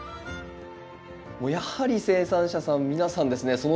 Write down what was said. もうやはり生産者さん皆さんですね